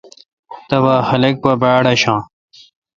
تبا خاق پہ باڑاشان۔